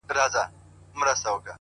o غووي غيڼ وکړې، سوکان څټ وخوړل!